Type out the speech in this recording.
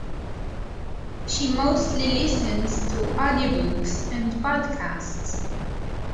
She mostly listens to audiobooks and podcasts